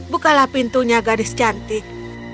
bukalah pintunya gadis cantik